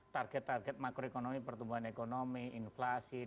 target target makroekonomi pertumbuhan ekonomi inflasi dan kembang